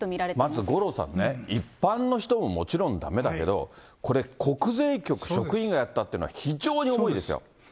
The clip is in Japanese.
まず五郎さんね、一般の人ももちろんだめだけど、これ、国税局職員がやってたっていうのは非常に重いですよ。